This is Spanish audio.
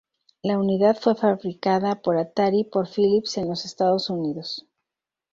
La unidad fue fabricada para Atari por Philips en los Estados Unidos.